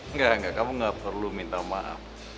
enggak enggak kamu nggak perlu minta maaf